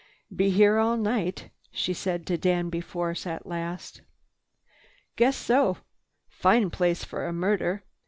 "Be here all night," she said to Danby Force at last. "Guess so. Fine place for a murder."